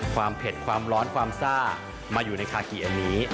เผ็ดความร้อนความซ่ามาอยู่ในคากิอันนี้